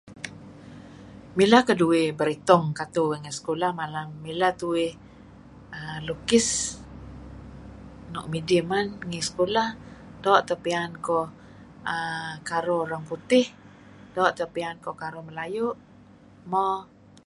Mileh keduih beritung katu uih ngi sekulah malam, mileh tuih err lukis nuk midih men ngi sekulah, doo' teh piyan kuh err karuh urang putih, doo' teh piyan kuh karuh Melayu'. Mo.